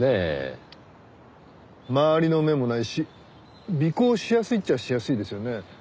周りの目もないし尾行しやすいっちゃしやすいですよね。